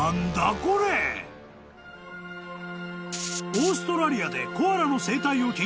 ［オーストラリアで］